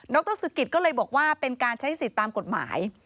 รสุกิตก็เลยบอกว่าเป็นการใช้สิทธิ์ตามกฎหมาย